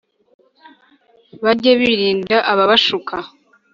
bage birinda ababashuka